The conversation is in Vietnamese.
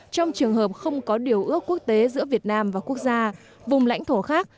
trong trường hợp không có điều ước quốc tế giữa việt nam và quốc gia vùng lãnh thổ khác